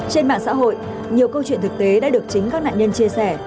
trên mạng xã hội nhiều câu chuyện thực tế đã được chính các nạn nhân chia sẻ